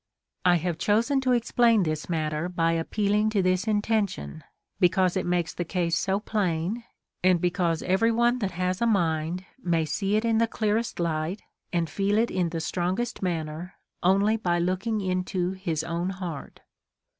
I have chosen to explain this matter by appealing to this intention, because it makes the case so plain, and because every one that has a mind may see it in the clearest light, and feel it in the strongest manner, only by looking into his own heart.